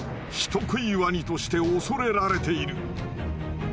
人食いワニとして恐れられている。